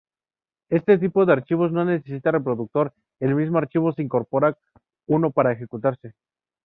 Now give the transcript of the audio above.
Este tipo de archivos no necesita reproductor, el mismo archivo incorpora uno para ejecutarse.